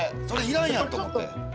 それ要らんやんと思って。